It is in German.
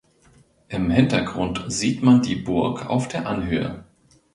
Im Hintergrund sieht man die Burg auf der Anhöhe.